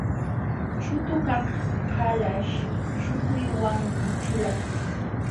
Chutukaq kalaśh śhukuywanmi ćhulakun.